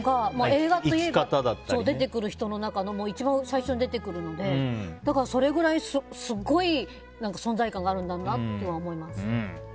映画といえば出てくる人の中の一番最初に出てくるのでそれぐらい、すごい存在感があるんだなとは思います。